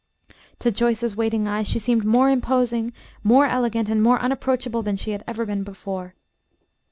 To Joyce's waiting eyes she seemed more imposing, more elegant, and more unapproachable than she had ever been before.